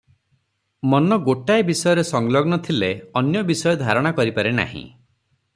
ମନ ଗୋଟାଏ ବିଷୟରେ ସଂଲଗ୍ନ ଥିଲେ ଅନ୍ୟ ବିଷୟ ଧାରଣା କରିପାରେ ନାହିଁ ।